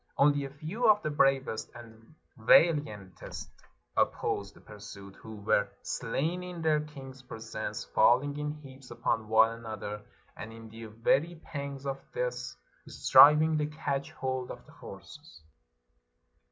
Only a few of the bravest and vaKantest opposed the pursuit, who were slain in their king's presence, falling in heaps upon one another, and in the very pangs of death striv ing to catch hold of the horses.